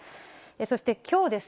そして、きょうです。